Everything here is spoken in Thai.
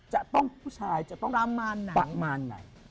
จะต้องผู้ชายจะต้องรามานหนัง